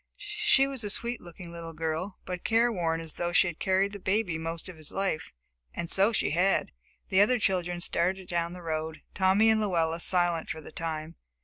She was a sweet looking little girl, but careworn as though she had carried the baby most of his life. And so she had. The other children started down the road, Tommy and Luella silent for the time.